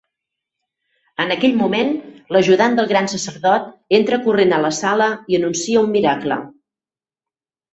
En aquell moment, l'ajudant del gran sacerdot entra corrent a la sala i anuncia un miracle.